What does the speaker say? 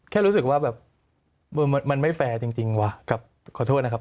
แค่รู้สึกว่าแบบมันไม่แฟร์จริงวะกับขอโทษนะครับ